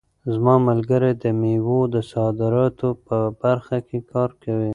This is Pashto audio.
زما ملګری د مېوو د صادراتو په برخه کې کار کوي.